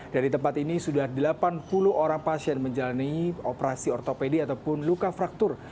dari tempat ini sudah delapan puluh orang pasien menjalani operasi ortopedi ataupun luka fraktur